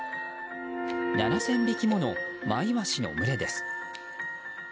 ７０００匹ものマイワシの群れです。